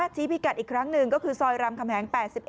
ชี้พิกัดอีกครั้งหนึ่งก็คือซอยรามคำแหง๘๑